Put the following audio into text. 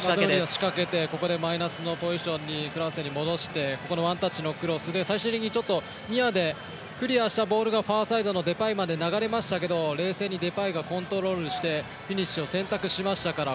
仕掛けてここでマイナスのポジションに戻してここのワンタッチのクロスで最終的ニアでクリアしたボールがファーサイドのデパイまで流れましたけど冷静にデパイがコントロールしてフィニッシュを選択しましたから